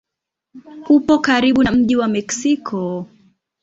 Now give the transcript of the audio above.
Upo karibu na mji wa Meksiko.